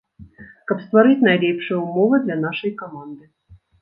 Каб стварыць найлепшыя умовы для нашай каманды.